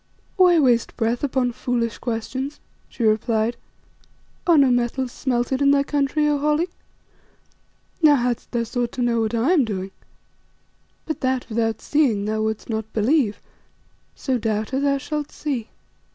"Why waste breath upon foolish questions?" she replied. "Are no metals smelted in thy country, O Holly? Now hadst thou sought to know what I am doing But that, without seeing, thou wouldst not believe, so, Doubter, thou shalt see."